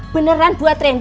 beneran buat rendy